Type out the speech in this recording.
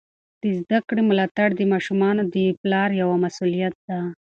د زده کړې ملاتړ د ماشومانو د پلار یوه مسؤلیت ده.